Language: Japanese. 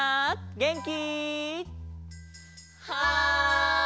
げんき！